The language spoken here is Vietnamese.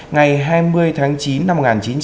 ngày hai mươi tháng chín năm một nghìn chín trăm linh